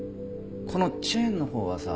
このチェーンのほうはさ